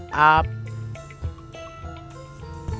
dia udah ngerasain